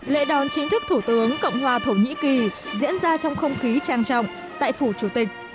lễ đón chính thức thủ tướng cộng hòa thổ nhĩ kỳ diễn ra trong không khí trang trọng tại phủ chủ tịch